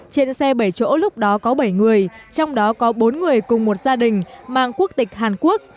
trên xe bảy chỗ lúc đó có bảy người trong đó có bốn người cùng một gia đình mang quốc tịch hàn quốc